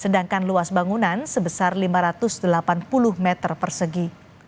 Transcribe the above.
sedangkan luas bangunan sebesar lima ratus delapan puluh meter persegi